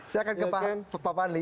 saya akan ke pak fadli